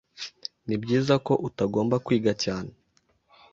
Nibyiza ko utagomba kwiga cyane.